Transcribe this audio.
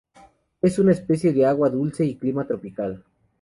Es una especie de agua dulce y clima tropical.